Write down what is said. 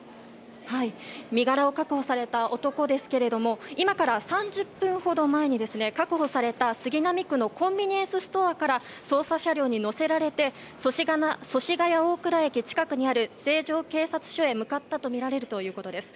身柄を確保された男ですけども今から３０分ほど前に確保された杉並区のコンビニエンスストアから捜査車両に乗せられて祖師ヶ谷大蔵駅近くにある成城警察署へ向かったとみられるということです。